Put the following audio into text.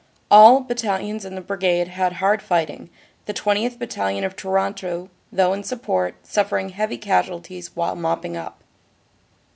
All battalions in the Brigade had hard fighting, the 20th Battalion, of Toronto, though in support, suffering heavy casualties while mopping up.